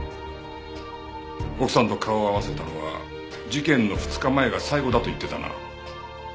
奥さんと顔を合わせたのは事件の２日前が最後だと言ってたな。